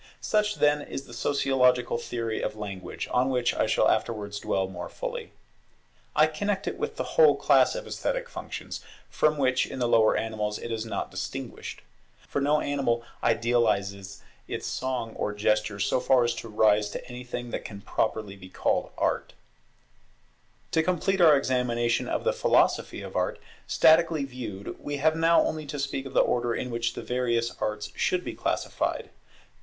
Such, then, is the sociological theory of Language, on which I shall afterwards dwell more fully. I connect it with the whole class of esthetic functions, from which in the lower animals it is not distinguished. For no animal idealizes its song or gesture so far as to rise to anything that can properly be called Art. [Classification of the arts on the principle of decreasing generality, and increasing intensity] To complete our examination of the philosophy of Art, statically viewed, we have now only to speak of the order in which the various arts should be classified.